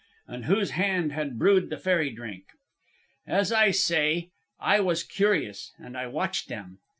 And whose hand had brewed the fairy drink? "As I say, I was curious, and I watched them.